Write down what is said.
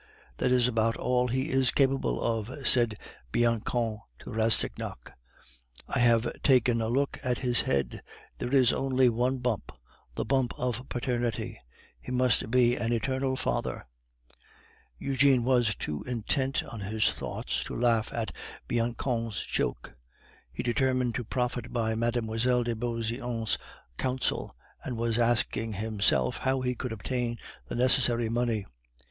"That is about all he is capable of," said Bianchon to Rastignac; "I have taken a look at his head; there is only one bump the bump of Paternity; he must be an eternal father." Eugene was too intent on his thoughts to laugh at Bianchon's joke. He determined to profit by Mme. de Beauseant's counsels, and was asking himself how he could obtain the necessary money.